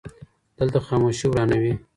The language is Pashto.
دلته خاموشي ورانوي